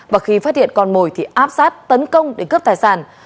và khi phát hiện con mồi thì áp sát tấn công để cướp tài sản